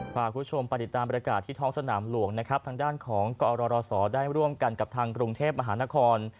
พาคุณผู้ชมไปติดตามบริการที่ท้องสนามหลวงนะครับทางด้านของกอรศได้ร่วมกันกับทางกรุงเทพมหานคร